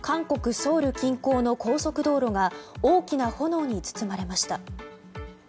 ソウル近郊の高速道路が大きな炎に包まれました。